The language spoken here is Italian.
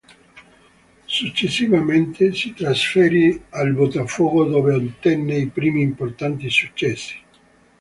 Successivamente, si trasferì al Botafogo dove ottenne i primi importanti successi.